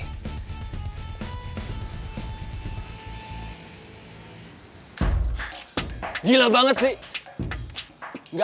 gak ada satupun anak black cobra yang bisa nganggur